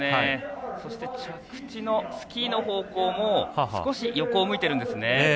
そして、着地のスキーの方向も少し横を向いてるんですね。